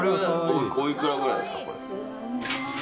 おいくらくらいですか？